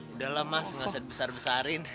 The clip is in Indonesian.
udah lah mas enggak usah dibesar besarin